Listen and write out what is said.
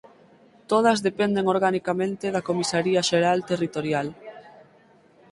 Todas dependen organicamente da Comisaría Xeral Territorial.